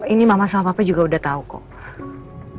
ini mama sama papa juga udah tahu kok